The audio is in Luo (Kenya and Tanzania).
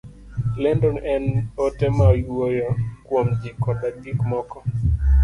lendo en ote mawuoyo kuom ji koda gik moko.